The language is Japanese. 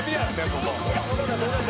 ここ。